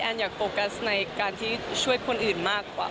อยากโฟกัสในการที่ช่วยคนอื่นมากกว่า